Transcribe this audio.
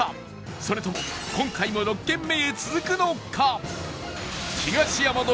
それとも今回も６軒目へ続くのか？